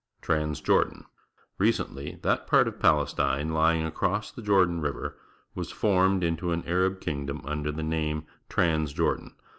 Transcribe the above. Trans Jordan. — Recently, that part of Palestine lying across the Jordan River was formed into an Arab kingdom under the name Trans Jordan.